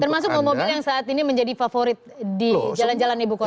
termasuk mobil mobil yang saat ini menjadi favorit di jalan jalan ibu kota